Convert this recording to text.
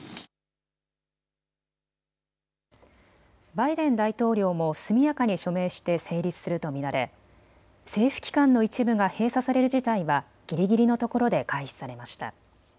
バイデン大統領も速やかに署名して成立すると見られ政府機関の一部が閉鎖される事態は、ぎりぎりのところで回避されました。